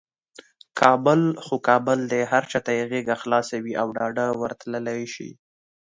کابل خو کابل دی، هر چاته یې غیږه خلاصه وي او ډاده ورتللی شي.